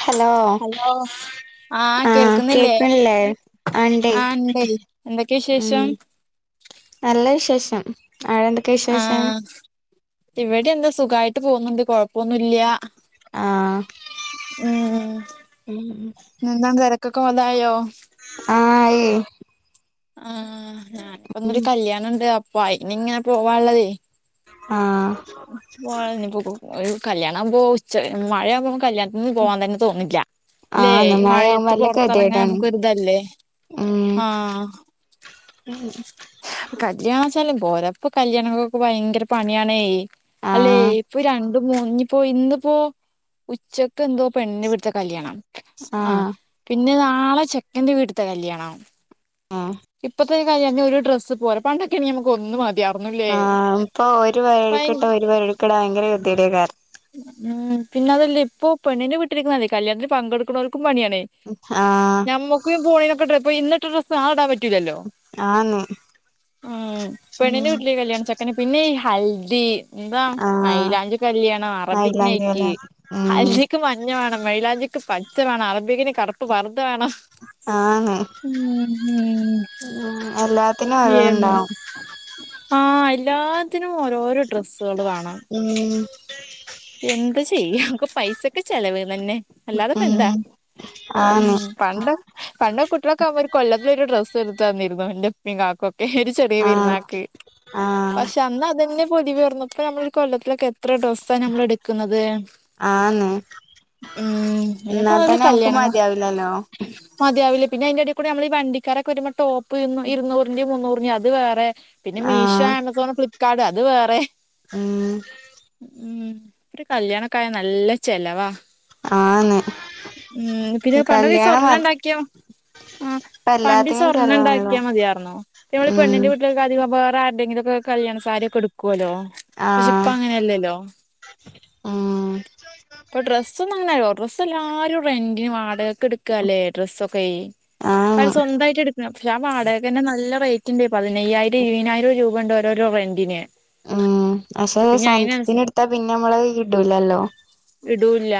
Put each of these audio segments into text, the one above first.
Hello hello ആഹ് കേക്കണല്ലേ ആണ്ടേ എന്തൊക്കെയാ വിശേഷം നല്ല വിശേഷം അവിടെ എന്തൊക്കെ വിശേഷം ഇവിടെന്താ സുഖായിട്ട് പോകുന്നുണ്ട് കൊഴപ്പൊന്നുംല്ല്യ ആഹ് ഉം എന്താ തെരക്കൊക്കെ ഇതായോ. ആഹ് ആയേ ആഹ് ഞാനിപ്പോന്നരു കല്യാണണ്ട് അപ്പൊ അയിനി ഇങ്ങനെ പോവാനുള്ളതേ ആഹ് [unintelligible] കല്യാണ ആകുമ്പോ ഉച്ച വരെ മഴയാവുമ്പോൾ കല്യാ ഇന്ന് പോവാൻ തന്നെ തോന്നില്ല ല്ലേ ആഹ് ഇന്ന് ഈ മഴയാവുമ്പോ മഴയത്ത് നല്ല പൊറത്തിറങ്ങാൻ ഗതികേടാണ് നമുക്കൊരിതല്ലേ ആഹ് ഉം കല്യാണ ചെലവ് പോരാ ഇപ്പോ കല്യാണങ്ങൊക്കെ ഭയങ്കര പണിയാണ് അല്ലെ ആഹ് ഇപ്പൊ രണ്ട് ഇഞ്പ്പോ ഇന്നിപ്പോ ഉച്ചക്ക് എന്തോ പെണ്ണിൻ്റെ വീട്ടിലാണ് കല്യാണം ആഹ് പിന്നെ നാളെ ചെക്കന്റെ വീട്ടിത്തെ കല്യാണം ആഹ് ഇപ്പത്തെ കല്യാണത്തിന് ഒരു ഡ്രസ്സ് പോര പണ്ടൊക്കെണെങ്കി നമുക്ക് ഒന്ന് മതിയാ ആഹ് ഇപ്പൊ ഒരു പരിപാടിക്കിട്ട ഒരു പരിപാടിക്കിടാൻ ഭയങ്കര കെതിയേടെകാരം ഉം പിന്നെ അതല്ലേ ഇപ്പൊ പെണ്ണിൻ്റെ വീട്ടുകാർക്കൊന്നുമല്ല കല്യാണത്തിൽ പങ്കെടുക്കുന്നവർക്കും പണിയാണേ ആഹ് നമ്മുക്കും പോണേനൊക്കെ ഡ്ര ഇന്നിട്ട ഡ്രസ്സ് നാളെ ഇടാൻ പറ്റി ല്ലല്ലോ ആന്ന് ഉം പെണ്ണിന്റെ വീട്ടിൽ ഈ കല്യാണ ചെക്ക അങ്ങനെ പിന്നെയും ഈ ഹൽദി എന്താ ആഹ് മൈലാഞ്ചി കല്യാണം അറബിക്ക് മൈലാഞ്ചി ഓല നൈറ്റ് ഉം ഹൽദിക്ക് മറ്റെ മഞ്ഞ വേണം മൈയിലാഞ്ചിക്ക് പച്ച വേണം അറബിക്കിന് കറുപ്പ് പർദ്ദ വേണം ആന്ന് ഉം ഉം എല്ലാത്തിനും ഏഹ് ഓരോന്നുണ്ടാവും ആ എല്ലാത്തിനും ഓരോരോ ഡ്രെസ്സുകള് വേണം മം എന്ത് ചെയ്യാഒക്കും പൈസേക്ക് ചെലവ് തന്നെ അല്ലാത്പ്പ ഉം എന്താ ആന്ന് ഉം പണ്ട് പണ്ട് കുട്ട്യോളക്കെ ആകുമ്പോ ഒരു കൊല്ലത്തിലൊരു ഡ്രസ്സ് എടുത്ത് തന്നിരുന്നു എന്റെ ഉപ്പേം കാക്കൊക്കെ ഇന്റെ ചെറു വേ ആഹ് പെരുന്നാക്ക് ആഹ് പക്ഷെ അന്ന് അതന്നെ പൊലിവേർന്ന് ഇപ്പൊ ഞമ്മളൊര് കൊല്ലത്തിലെക്കെ എത്ര ഡ്രസ്സ് ഇപ്പ ഞമ്മള് എടുക്കുന്നത് ആന്ന് ഉം എന്നാ ഇനീപ്പോ അതില് തന്നെ നമുക്ക് കല്യാണങ്ങള മതിയാവില്ലല്ലോ മതിയാവുല്ല പിന്നെ അതിന്റെടേ കൂടെ ഞമ്മള് ഈ വണ്ടിക്കാരൊക്കെ വരുമ്പോ ടോപ്പ് ഇന്ന് ഇരുന്നൂറിന്റെ മുന്നൂറിന്റെ അത് വേറെ പിന്നെ മീശ് ആഹ് ആമസോണ്, ഫ്ലിപ്പ്കാർട് അത് വേറെ ഉം ഉം ഒരു കല്യാണക്കായ നല്ല ചെലവാ ആന്ന് ഉം പിന്നെ പണ്ടോക്ക ഈ കല്യാണം മ സ്വർണ്ണം ഉണ്ടാക്കിയോ ആ ഇപ്പ പണ്ട് ഈ എല്ലാത്തിനും സ്വർണ്ണം ചെലവാണല്ലോ ഉണ്ടാക്കിയാ മതിയാർന്നൂ ഇപ്പ നമ്മളീ ഉം പെണ്ണിന്റെ വീട്ടില പ്പ അധികം വേറെ ആരുടേങ്കിലൊക്ക കല്യാണ സാരി ഒക്കെ ഉടുക്കോല്ലോ ആഹ് ഉം ഇപ്പൊ ഡ്രസ്സൊന്നും അങ്ങന ലോ ഡ്രസ് എല്ലാരും റെന്റിന് വാടകക്ക് എടുക്കാല്ലേ ഡ്രസ്സൊക്കേ ഇപ്പ ആഹ് അയാള് സ്വന്തായ്‌റ്റ് ഇട് അപ്പം ഞാൻ വാടകക്ക് തന്നെ നല്ല റേറ്റ് ഇണ്ട് പതിനയ്യായിരം ഇരുവ്നായിരം രൂപേണ്ട് ഓരോരോ റെന്റിന് ഉം പക്ഷെ ഒര് പിന്നെ അയിനനുസ സാന്‌ത്തിന് എടുത്താ പിന്നെ നമ്മള് ഇടൂലല്ലോ ഇടൂല്ല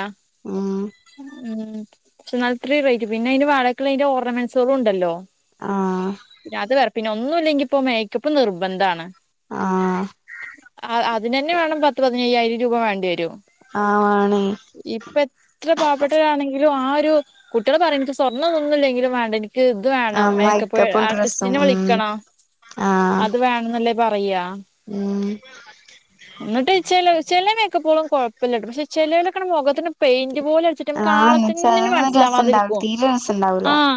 ഉം പക്ഷെ ഇന്നാല് ഇത്രേറെയ്റ്റ് പിന്നെ അയ്ന്റെ വാടക്കുള്ള അതിന്റെ ഓർണമെന്റ്സുകളും ഒണ്ടല്ലോ ആഹ് അത് വേറെ പിന്നെ ഒന്നും ഇല്ലെങ്കി ഇപ്പൊ മേക്കപ്പ് നിർബന്ധാണ് ആഹ് അതിന് തന്നെ വേണം പത്ത് പതിനയ്യായിരം രൂപ വേണ്ടി വരും ആഹ് വാണേയ് ഇപ്പ എത്ര പാവപ്പെട്ടവരാണെങ്കിലും ആ ഒരു കുട്ടികള് പറയുന്നത് സ്വർണ്ണൊന്നു ഒന്നുല്ലെങ്കിലും വേണ്ട എനിക്ക് ക്ക് ഇത് വേണം ആഹ് മേക്കപ്പ് മേക്കപ്പും ഡ്രസ്സും ആർട്ടിസ്റ്റിനെ ഉം വിളിക്കണം ആഹ് അത് വേണംന്നല്ലേ പറയാ ഉം എന്നിട്ട് ചെല ചെല മേക്കപ്പോളും കൊഴപ്പ ഇല്ലട്ടോ പക്ഷെ ചെലേലൊക്കട്ട്‌ മൊഖത്തിന് പെയിന്റ് പോലെ അട് ച്ചിറ്റ് നമ്മ്ക്ക് ആഹ് ആളതന്നെ ന് ചെലതൊന്നും രസണ്ടാവൂല മനസ്സിലാവാതിരിക്കോ തീരെ രസണ്ടാവൂല ആഹ്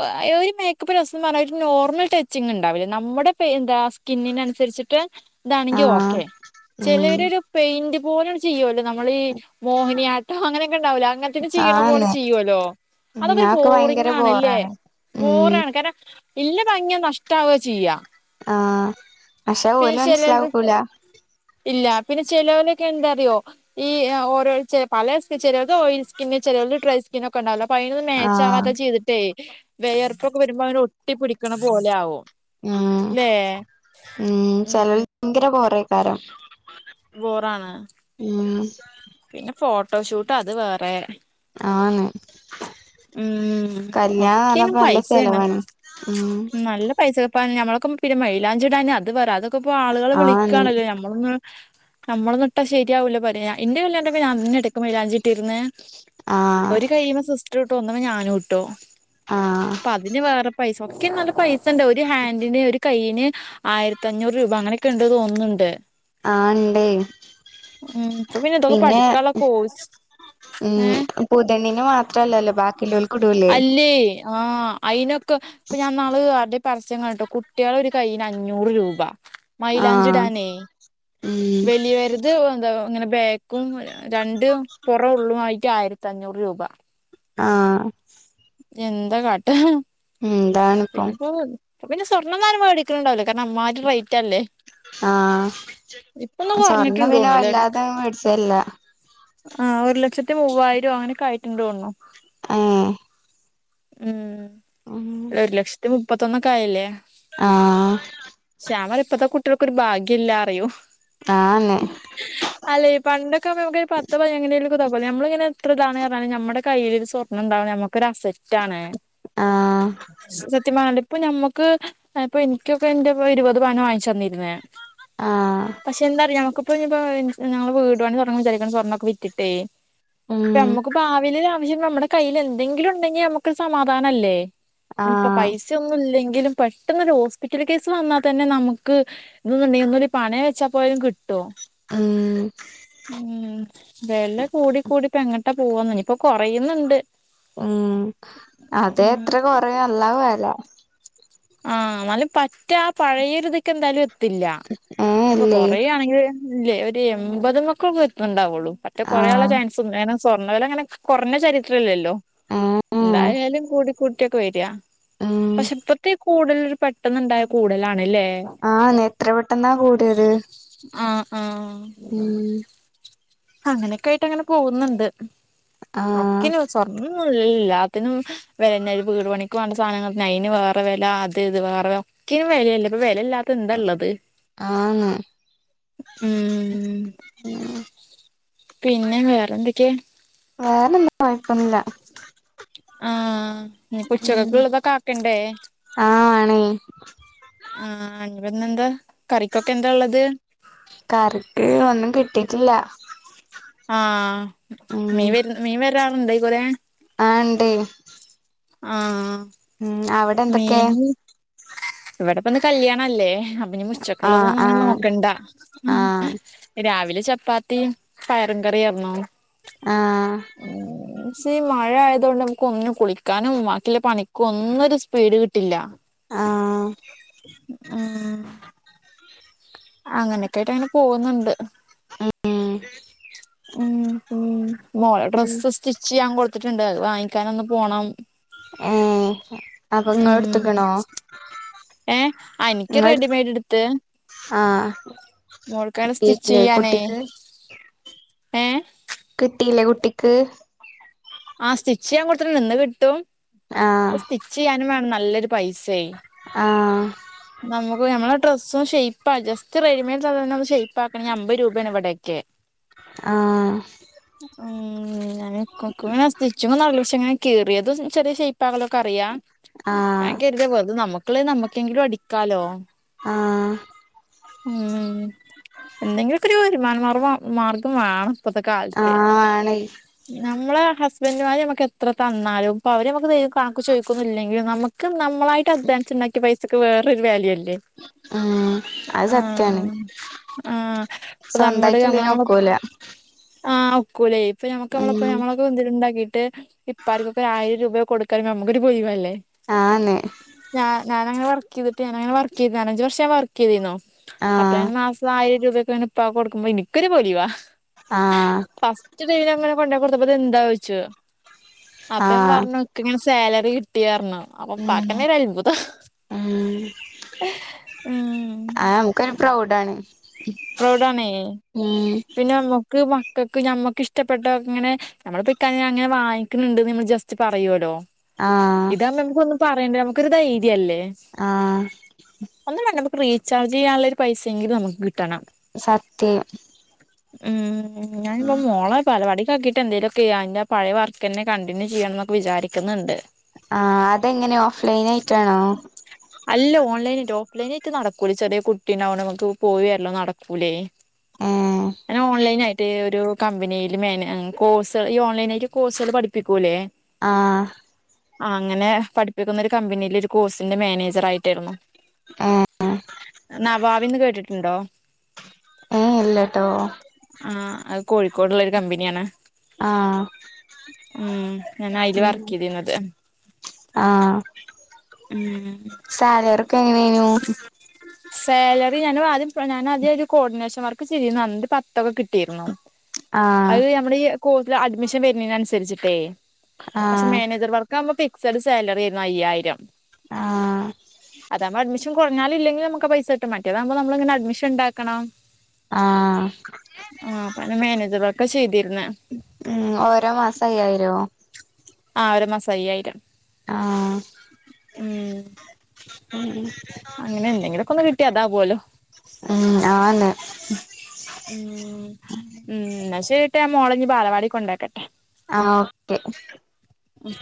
ഒ അ ഒരു മേക്കപ്പ് രസംന്ന് പറഞ്ഞാ ഒര് നോർമൽ ടച്ചിങ് ഉണ്ടാവില്ലേ നമ്മുടെ പേ എന്താ സ്കിന്നിനനുസരിച്ചിട്ട് ഇതാണെങ്കി ആഹ് ഓക്കെ ഉം ചെലേ പെയ്ൻ്റ് പോല അങ്ങ്ചെയ്യോല്ലൊ നമ്മള് ഈ മോഹിനിയാട്ടം അങ്ങനെക്കെ ഉണ്ടാവൂലെ അങ്ങന് ത്തിന് ചെയ്യണ പോലെ ആന്ന് ചെയ്യോല്ലോ ഉം അതക്കൊരു അതൊക്കെ ബോറിങ് ഭയങ്കര ആണല്ലേ ബോറാണ് ഉം ബോറാണ് കാരണം ഇല്ല ഭംഗി നഷ്ടാവാ ചെയ്യാ ആഹ് പക്ഷെ പിന്നെ ഓല് ചെലേല്ത് മനസ്സിലാക്കൂല ഇല്ല പിന്നെ ചെലോലോക്കെ എന്താ അറിയോ ഈ അ ഓരോ ചെ പല സ്ക് ചെലോര്ക്ക് ഓയിൽ സ്കിന്ന് ചെലോര് ട്രൈസ് കിന്നൊക്കെ ഒണ്ടാവൊല്ലോ അപ്പ ആഹ് അയിനൊന്ന്മേച്ചാവാതെ ചെയ്തി ട്ടേ വെയർപ്പൊക്കെ വരുമ്പോ അങ്ങന ഒട്ടി പിടിക്കണ പോലെ ആവും ഉം ല്ലേ ഉം ചെലൽക്ക് ഭയങ്കര ബോറെയ്കാരം ബോറാണ് ഉം പിന്നെ ഫോട്ടോഷൂട്ട് അത് വേറെ ആന്ന് ഉം കല്യാണം ഒക്കെനും വന്നപ്പ നല്ല പൈസയാണ് ചെലവാണ് ഉം നല്ല പൈസൊപ്പാണ് ഞമ്മളൊക്കെ പിന്ന മയിലാഞ്ചി ഇടാന് അത് പറ അതൊക്കെ ഇപ്പൊ ആളുകള് ആന്ന് വിളിക്കാണല്ലേ ഞമ്മ് ളൊന്ന് നമ്മളൊന്ന് ഇട്ടാ ശരിയാവില്ല പറയാ ഇന്റെ കല്യാണത്തിനൊക്കെ ഞാൻ തന്നെ ഇട് [unintelligible] മൈലാഞ്ചി ഇട്ട്ര്ന്ന് ആഹ് ഒര് കയ്യിമെ സിസ്റ്ററ് ഇട്ടു ഒന്ന്മ്മേ ഞാനും ഇട്ടു ആഹ് ഇപ്പ അതിന് വേറെ പൈസ ഒക്കെ നല്ലെ പൈ [unintelligible] ഒരു ഹാൻഡിന്റെ ഒരു കൈയ്യിന് ആയിരത്ത് അഞ്ഞൂറ് രൂപ അങ്ങനെക്കെ ഇണ്ട് തോന്ന്ന്ന്ണ്ട്. ആഹ് ഇണ്ടേ. മ്ഹ് ഇപ്പ പിന്നെ ഇതൊക്ക പഠിക്കാള്ള കോഴ്സ് ഏ മ് പുതിണ്ണിന് മാത്രല്ലല്ലോ ബാക്കില്ലോൽക്ക് ഇടൂല്ലേ? [unintelligible] ആഹ് അയിനൊക്കെ ഇപ്പ ഞാൻ ഇന്നാള് ആര്ടെ പരസ്യം കണ്ടു കുട്ടികളെ ഒരു കൈയിന് അഞ്ഞൂറ് രൂപ. മൈലാഞ്ചി ആഹ് ഇടാനെ ഉം വെലിയവര്ത് ത് എന്താ ഇങ്ങനെ ബേക്കും രണ്ട് പൊറോം ഉള്ളും ആയിട്ട് ആയിരത്തഞ്ഞൂറ് രൂപ ആഹ് എന്താ കാട്ടാ എന്താണിപ്പം പിന്നെ ഇപ്പൊ ഇപ്പ പിന്നെ സ്വർണ്ണന്നാരും വേടിക്കണ് ണ്ടാവുല കാരണം അമ്മാരി റേറ്റ് അല്ലേ ആഹ് ഇപ്പൊന്ന് സ്വർണം കൊറഞ്ഞിട്ടുണ്ട് പിന്നെ തോണുല്ലേ വല്ലാതെ മേടിച്ചയില്ല ആഹ് ഒരു ലക്ഷത്തി മൂവായിരോ അങ്ങനെക്കെ ആയിട്ട്ണ്ടോർന്നു ഏഹ് ഉം ഉം ഒരു ലക്ഷത്തി മുപ്പത്തൊന്നക്കെ ആയല്ലേ. ആഹ് ശ്യാം പറയും ഇപ്പത്തെ കുട്ട്യൾക്കൊരു ഭാഗ്യം ഇല്ലാ റയും. ആന്നേ അല്ലേ പണ്ടെക്കാവുമ്പ നമുക്ക് ഈ പത്ത് പവൻ എങ്ങനേലൊക്ക ഇത് ആക്കും നമ്മളിങ്ങന എത്ര ഇതാണ് പർഞ്ഞാലും നമ്മടെ കൈയിൽ ഒര് സ്വ ഒന്ന്ണ്ടാവണ നമ്മക്കൊരു അസെറ്റാണ് സത് എത്ത് മാണ്ട ഇപ്പ നമ്മക്ക് ഏഹ് ഇപ്പ ഇൻക്കൊക്കെ ഇന്റെ ഇപ്പ ഇരുവത് പവന് വാങ്ങിച്ച് തന്നിര്ന്നേ ആഹ് പക്ഷെ എന്താറിയോ ഞങ്ങക്ക് ഇപ്പ ഇനീപ്പ ഞങ്ങള് വീട് പണി തൊടെങ്ങാ വിചാരിക്കണ് സ്വർണ്ണക്കെ വിറ്റിട്ടേ ഉം ഇപ്പ നമ്മക്ക് ഭാവീല് ഒര് ആവശ്യം നമ്മടെ കയ്യില് എന്തെങ്കിലും ഇണ്ടെങ്കിൽ നമ്മുക്കൊരു സമാധാനല്ലേ ആ ഇനീപ്പ പൈസ ഒന്നും ഇല്ലെങ്കിലും പെട്ടെന്ന് ഒര് ഹോസ്പിറ്റല് കേസ് വന്നാ തന്നെ നമുക്ക് ഇതൊന്ന് ഉണ്ടെങ്കിൽ ഒന്നൂല്ലേ പണയം വെച്ചാ പ്പോലും കിട്ടോ ആഹ് ഉം വെല കൂടി കൂടി ഇപ്പ എങ്ങട്ടാ പോവാന്ന് ഇനീപ്പ കൊറയിന്ന്ണ്ട് മ്ഹ് അതെ ഉം എത്ര കൊറയ അള്ളാഹു ആ‌‍അ്ലം ആഹ് ഇന്നാലും പറ്റ ആ പഴയൊരു ഇതൊക്കെ എന്തായാലും ത്തില്ല ഏ ഇനി ഇപ്പ ഇല്ലേ കൊറയ് ആണെങ്കില് ഇല്ലേ ഒരു എൺപത് മേക്ക് ഒക്കെ ഇണ്ടാവൊള്ളൂ. മറ്റ ആ കൊറയാള്ള ചാൻസും കാരണം സ്വർണ്ണ വെല അങ്ങനെ കൊറഞ്ഞ ചരിത്രം ഇല്ലല്ലോ. ഏ എന്തായാലും ഞാന് കൂടിക്കൂട്ടിയൊക്ക വേരാ ഉം പക്ഷെ ഇപ്പ ഇപ്പ ഈ കൂടലൊരു പെട്ടെന്ന്ണ്ടായ കൂടലാണല്ലേ. ആഹ് ഇന്ന് എത്ര പെട്ടെന്നാ കൂടിയത് ആഹ് ആഹ് ഉം അങ്ങനെയൊക്കെ ആയിട്ട് അങ്ങനെ പോവ്ന്ന്ണ്ട് ആ ഒക്കെനി സ്വർണ് [unintelligible] ഇല്ല ല്ലല്ലാ എല്ലാത്തിനും പിന്നെ ഒരു വീട് പണിക്ക് വാണ്ട സാനങ്ങള് നൈനു വേറെ വെല അത് ഇത് വേറെ [unintelligible] വെലേല്ല ഇപ്പ വെലേല്ലാ ത്ത് എന്താള്ളത് ആന്ന് മ്ഹ് പിന്നെ വേറെ എന്തൊക്കെ? വേറെന്താ കൊഴപ്പൊന്നുല്ല. ആഹ് ഇനീപ്പ ഉച്ചക്കക്ക് ഇള്ളതൊക്കെ ആക്കണ്ടേ? ആഹ് ആണ്. ആഹ് ഇഞ്ഞി ഇപ്പ ഇന്ന് എന്താ കറിക്കൊക്ക എന്താ ഇള്ളത്? കറിക്ക് ഒന്നും കിട്ടീട്ടില്ല. ആഹ് മീൻ വെര് മീൻ വെരാറ്ണ്ടയിക്കൂറെ ആഹ് ഇണ്ടേ ആഹ് ഉം അവ [unintelligible] ഇവിടെപ്പന്ന് കല്യാണല്ലേ നി ആ മുച്ചക്കുള്ളതൊന്നും ആ അങ്ങനെ നോക്കണ്ട ആ രാവിലെ ചപ്പാത്തീം പയറും കറിയാർന്നു ആഹ് ഈ മഴ ആയതോണ്ട് മ്മക്ക് ഒന്നിനും കുളിക്കാനും വാക്കില്ല പണിക്കും ഒന്നൊരു സു പീഡ് കിട്ടില്ല ആഹ് ഉം അങ്ങനെയൊക്കായിട്ടങ്ങനെ പോകുന്നുണ്ട് ഉം ഉം ഉം മോള ഉം ഡ്രസ്സ് സ്റ്റിച്ച് ചെയ്യാൻ കൊടുത്തിട്ടുണ്ട് അത്‌ വാങ്ങിക്കാനൊന്ന് പോണം ഏ അപ്പൊ ങ്ങള ഉം ഇട്ത്ത്ക്കണോ ഏ ആഹ് ഇനിക്ക് റെഡിമെയ്ഡ് ഇട്ത്ത് ആഹ് സ്റ്റിച്ച് കിട്ടീട്ല്ല്യേ ചെയ്യാനേ കുട്ടിക്ക് ഏ കിട്ടില്ലേ കുട്ടിക്ക് ആഹ് സ്റ്റിച്ചിയ്യാം കൊടുത്തിട് ഇന്ന് കിട്ടും ആഹ് സ്റ്റിച്ച് ചെയ്യാനും വേണം നല്ലൊരു പൈസെ ആ നമുക്ക് നമ്മളുടെ ഡ്രസ്സും ഷെയ്പ്പാ ജസ്റ്റ് റെഡി [unintelligible] ഷൈപ്പാകണങ്കി അമ്പത് രൂപയാണ് ഇവിടക്കെ ആഹ് ഉം ഇകുങ്ങനെ സ്റ്റിച്ചോന്നറീല പക്ഷെ ങ്ങനെകീറ്യേത് ചെറിയഷൈ [unintelligible] അറിയ ഞാൻ ആഹ് കരുത വെറ്തനമ്മക്ക്‌ള്ളത് നമ്മുക്കെങ്കിലും അടി കാലോ ആഹ് ഉം ഉം [inaudible] എന്തെങ്കിലുക്കെ ഒരു വരുമാനമാർഗ്ഗ മാർഗം വേണം ഇപ്പത്തെ കാലത്ത് ആഹ് ആണേ നമ്മളെ ഹസ്ബൻഡുമാര് നമ്മക്ക് എത്ര തന്നാലും ഇപ്പൊ അവര് നമ്മക്ക് കണക്ക്‌ ചോയ് ക്കുന്നില്ലെങ്കിലും നമ്മക്ക് നമ്മളായിട്ട് അ്ദ്വാനിച്ചുണ്ടാക്യെ പൈസക്ക് വേറൊരു വല്യുല്ലേ ഉം അത് സത്യാണ് ആഹ് ഇപ്പൊ നമ്മുടെ നമ്മള സ്വന്തായിട്ടുള്ളീന് നമ്മള ഒക്കൂല ആ ഒക്കൂലേ ഇപ്പൊ ഞമ്മക്ക് നമ്മളപ്പ ഉം ഞമ്മളൊക്കെ എന്തേലുംണ്ടാക്കിട്ട് ഇപ്പാർക്കൊക്കെ ആയിരം രൂപ കൊടുക്കാണെങ്കി ഞമ്മക്കൊരു പൊലിവല്ലേ ആനെ ഞാഞാനങ്ങനെ വർകീത്ട്ട് ഞാനങ്ങനെ വർകീത്ട്ട് നാലഞ്ചു വർഷ ഞാൻ വർകീതീനു ആഹ് [unintelligible] മാസം ആയിരം രൂപക്ക ഇപ്പാകൊടുക്കുമ്പോ ഇൻക്കൊര് പൊലിവാ ആഹ് ഫസ്റ്റ്ദീൽങ്ങനെ കൊണ്ടയ് കൊടുത്തപ്പോ ഇതെന്തായൊച്ചു ആഹ് അപ്പഞാപറഞ്ഞു ഇക്കങ്ങനെ സാലറി കിട്ടിയർഞ്ഞു അപ്പൊ പ്പാക്കന ഒരു അത്ഭുതം ആ ഉം ആ നമുക്കൊരു പ്രൗഡാണ് പ്രൗഡാണയ് ഉം പിന്നെ മക്കൾക്ക് ഞമ്മക്ക് ഇഷ്ടപ്പെട്ട ഇങ്ങനെ നമ്മളപ്പോ ഇക്ക അങ്ങനെ വാങ്ങിക്കുന്നുണ്ട്ന്ന് നമ്മൾ ജസ്റ്റ് പറയുല്ലോ ആഹ് ഇതാവുമ്പോ നമുക്കൊന്നും പറയണ്ട നമുക്കൊരു ധൈര്യം അല്ലേ ആ ഒന്നും വേണ്ട നമുക്ക് റീചാർജ് ചെയ്യാനുള്ള ഒരു പൈസേങ്കിലും നമുക്ക് കിട്ടണം സത്യം ഉം ഞാനിപ്പോ മോള ബാലവാടി [unintelligible] എന്തെലൊക്കെയ് അ ഇന്റെ പയേ വർക്കന്നെ കണ്ടിന്യു ചിയ്യണം നൊക്കെ വിചാരിക്കുന്നുണ്ട് ആ അതെങ്ങനെ ഓഫ് ലൈൻ ആയിട്ടാണോ അല്ല ഓൺലൈനായിട്ട് ഓഫ്ലൈനായിട്ട് നടക്കൂല ചെറിയ കുട്ടിണ്ടാവോണ്ട് നമുക്ക് പോയിവരല് നടക്കൂലേ ഏഹ് ഞാൻ ഓൺലൈൻ ആയിട്ട് ഒരു കമ്പനിയില് [unintelligible] കോഴ്സ് ഈ ഓൺലൈനായിട്ട് കോഴ്സുകൾ പഠിപ്പിക്കൂല്ലേ ആഹ് ആഹ് അങ്ങനെ പഠിപ്പിക്കുന്ന ഒരു കമ്പനീല് ഒരു കോഴ്സിന്റെ മാനേജറായിട്ടായിരുന്നു ഏഹ് നവാവീന്ന് കേട്ടിട്ടുണ്ടോ ഏഹ് ഇല്ലട്ടോ ആഹ് അത് കോഴിക്കോട്ള്ളോരു കമ്പനിയാണ് ആഹ് ഉം ഞാന് അയില് വർക്ക്യ്തിന്നത് ആഹ് സാലറിക്കെ എങ്ങനെയേനു സാലറി ഞാനും ആദ്യം ഞാന് ആദ്യ ഒരു കോർഡിനേഷൻ വർക്ക് ചെയ്തിന്നു അന്നൊരു പത്തൊക്കെ കിട്ടിരുന്നു [inaudible] അത് നമ്മടെ ഈ കോഴ്സിൽ അഡ്മിഷൻ വരുന്നേന് അനുസരിച്ചിട്ടേ പക്ഷെ ആഹ് മാനേജർ വർ ക്കാവുമ്പം ഫിക്സഡ് സാലറ്യേര്ന്നു അയ്യായ്രം ആഹ് അതാമ്പോ അഡ്മിഷൻ കൊറഞ്ഞാല് ഇല്ലങ്കിലും നമുക്ക് പൈസ കിട്ടും മാറ്റേതാകുമ്പോ നമ്മളിങ്ങനെ അഡ്മിഷണ്ടാക്കണം ആഹ് ആഹ് പ്പാന്റെ മാനേജെറൊക്കെ ചെയ്തിര്ന്ന് ഉം ഓരോ മാസ അയ്യായിരോ ആഹ് ഒരോ മാസം അയ്യായിരം ആഹ് ഉം ഉം ഉം അങ്ങനെ [unintelligible] കിട്ടിയ അതാ പോലും ആഹ് ആന്ന് ഉം ഉം എന്നാ ശരീട്ടാ മോളഞ്ഞീപ്പോ ബാലവാടി കൊണ്ടാക്കട്ടെ ആഹ് ഓക്കെ ഉം